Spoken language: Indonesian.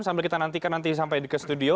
sambil kita nantikan nanti sampai ke studio